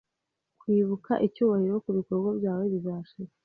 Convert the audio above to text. Kwibuka icyubahiro kubikorwa byawe bizashira